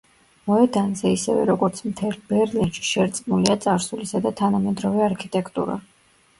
მოედანზე, ისევე როგორც მთელ ბერლინში, შერწყმულია წარსულისა და თანამედროვე არქიტექტურა.